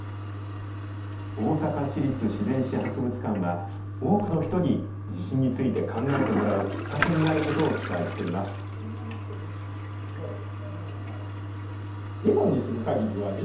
大阪市立自然史博物館は、多くの人に地震について考えてもらうきっかけになることを期待しています。